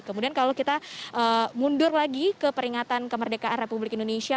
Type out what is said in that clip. kemudian kalau kita mundur lagi ke peringatan kemerdekaan republik indonesia